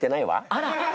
あら！